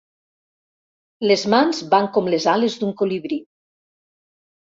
Les mans van com les ales d'un colibrí.